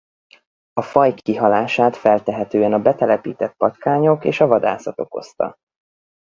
A faj kihalását feltehetően a betelepített patkányok és a vadászat okozta.